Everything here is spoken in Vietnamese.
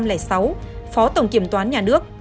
phó tổng kiểm toán nhà nước